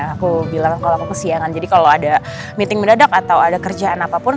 aku bilang kalau aku kesiangan jadi kalau ada meeting mendadak atau ada kerjaan apapun